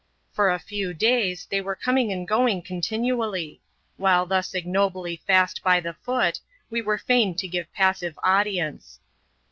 For a 7 days, they were coming and going continually; while 18 ignobly fast by the foot, we were fain to give passive lience.